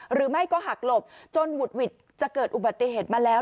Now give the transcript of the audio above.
หรือไม่ก็หักหลบจนหุดหวิดจะเกิดอุบัติเหตุมาแล้ว